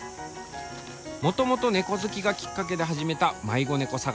もともと猫好きがきっかけで始めた迷子猫探し。